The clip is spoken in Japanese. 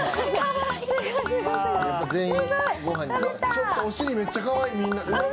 ちょっとお尻めっちゃかわいいみんな。